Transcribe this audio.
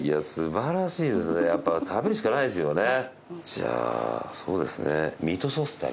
じゃあそうですねミートソースってあります？